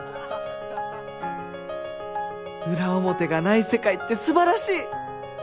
裏表がない世界って素晴らしい！